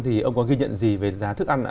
thì ông có ghi nhận gì về giá thức ăn ạ